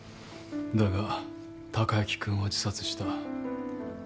だが貴之君は自殺した。